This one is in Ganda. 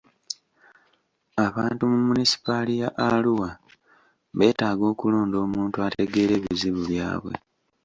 Abantu mu munisipaali ya Arua beetaaga okulonda omuntu ategeera ebizibu byabwe.